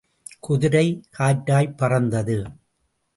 குதிரை காற்றாய்ப் பறந்தது.